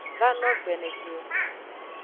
Vano gbenegbe o.